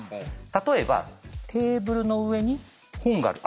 例えばテーブルの上に本がある。